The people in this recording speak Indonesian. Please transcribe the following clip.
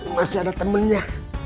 masih ada temennya